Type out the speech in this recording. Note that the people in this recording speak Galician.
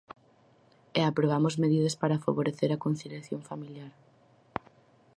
E aprobamos medidas para favorecer a conciliación familiar.